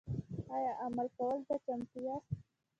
ایا عمل کولو ته چمتو یاست؟